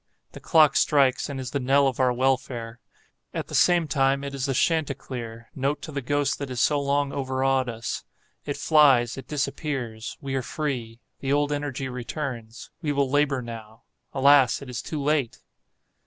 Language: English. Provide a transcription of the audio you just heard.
The clock strikes, and is the knell of our welfare. At the same time, it is the chanticleer note to the ghost that has so long overawed us. It flies—it disappears—we are free. The old energy returns. We will labor now. Alas, it is too late!